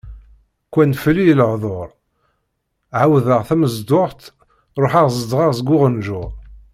Qwan fell-i lehḍur, ɛawdeɣ tamezduɣt ruḥeɣ zedɣeɣ deg uɣenǧur.